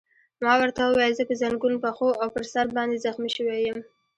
ما ورته وویل: زه په زنګون، پښو او پر سر باندې زخمي شوی یم.